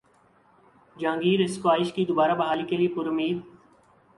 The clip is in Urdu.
جہانگیر اسکواش کی دوبارہ بحالی کیلئے پرامید